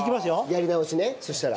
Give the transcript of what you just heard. やり直しねそしたら。